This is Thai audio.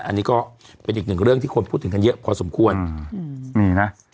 อันนี้ก็เป็นอีกหนึ่งเรื่องที่คนพูดถึงกันเยอะพอสมควรนี่นะ